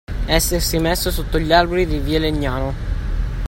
Essersi messo sotto gli alberi di via Legnano